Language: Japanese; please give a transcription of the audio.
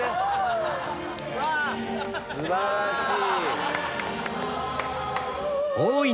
素晴らしい！